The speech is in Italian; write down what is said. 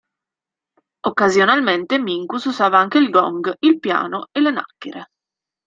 Occasionalmente Minkus usava anche il gong, il piano e le nacchere.